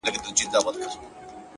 هغې د ژوند د ماهيت خبره پټه ساتل’